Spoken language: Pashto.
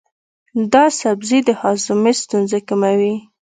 دا سبزی د هاضمې ستونزې کموي.